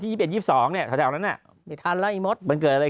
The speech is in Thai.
ที่๒๑๒๒เนี่ยถ้าแถวนั้นน่ะไม่ทันล่ะไอ้มดมันเกิดอะไร